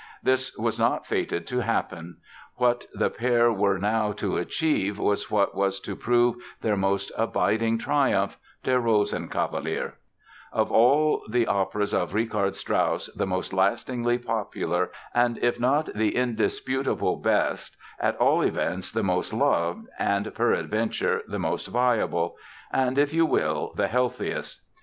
This was not fated to happen. What the pair were now to achieve was what was to prove their most abiding triumph—Der Rosenkavalier, of all the operas of Richard Strauss the most lastingly popular and if not the indisputable best at all events the most loved and, peradventure, the most viable—and, if you will, the healthiest.